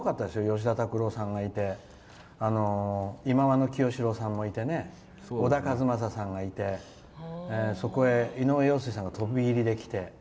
吉田拓郎さんがいて忌野清志郎さんもいて小田和正さんがいてそこへ、井上陽水さんが飛び入りで来て。